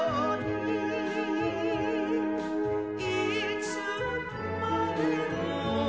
「いつまでも」